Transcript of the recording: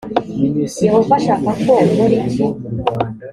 yehova ashaka ko nkora iki